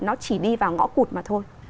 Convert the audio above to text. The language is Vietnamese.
nó chỉ đi vào ngõ cụt mà thôi